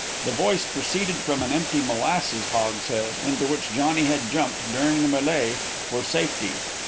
The voice proceeded from an empty molasses hogshead, into which Johnny had jumped, during the melee, for safety.